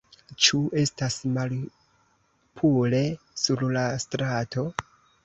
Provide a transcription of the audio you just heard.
Ĉu estas malpure sur la strato?